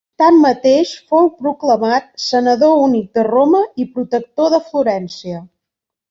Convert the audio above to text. Tanmateix fou proclamat senador únic de Roma i protector de Florència.